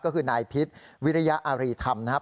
ก็คือนายพิษวิริยอารีธรรมนะครับ